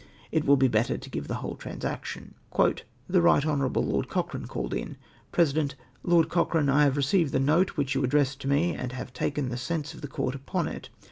It Avill be better to give the whole trans action. The Eight Honourable Lord Cochrane called in. President. —" Lord Cochrane, I have received the note which you addressed to me, and have taken the sense of the Court upon it.